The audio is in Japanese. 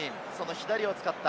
左を使った。